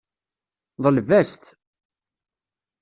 Ḍleb-as-t.